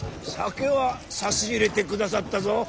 酒は差し入れてくださったぞ。